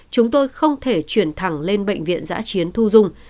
chúng tôi không thể chuyển thẳng lên bệnh viện giã chiến thu dung